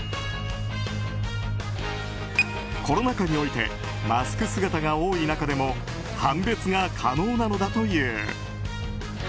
コロナ禍においてマスク姿が多い中でも判別が可能なのだという。